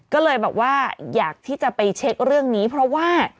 ก็เลยบอกว่าอยากที่จะไปเช็คเรื่องนี้เพราะว่า